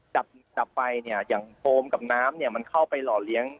จับไฟอย่างโพมกับน้ำนี่มันเข้าไปล่อเลี้ยง